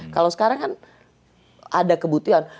kalau sekarang kan ada kebutuhan